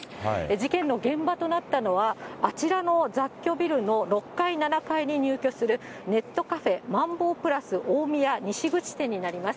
事件の現場となったのは、あちらの雑居ビルの６階、７階に入居するネットカフェ、マンボープラス大宮西口店になります。